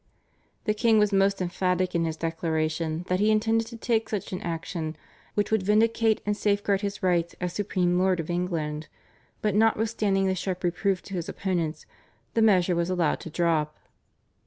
The king was most emphatic in his declaration that he intended to take such action as would vindicate and safeguard his rights as supreme lord of England, but notwithstanding this sharp reproof to his opponents the measure was allowed to drop.